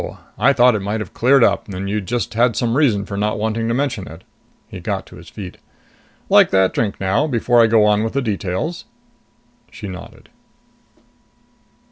I thought it might have cleared up, and you just had some reason for not wanting to mention it." He got to his feet. "Like that drink now before I go on with the details?" She nodded.